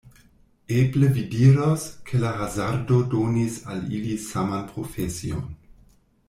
Eble vi diros, ke la hazardo donis al ili saman profesion.